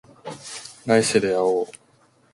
来世で会おう